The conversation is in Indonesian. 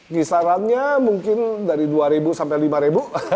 kisarannya mungkin dari dua ribu sampai lima ribu